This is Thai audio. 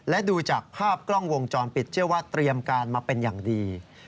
และดูจากภาพกล้องวงจรปิดเชื่อว่าเตรียมการมาเป็นอย่างดี